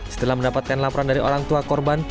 setelah mendapatkan laporan dari orang tua korban